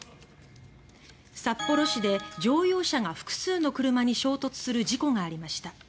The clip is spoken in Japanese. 札幌市で、乗用車が複数の車に衝突する事故がありました。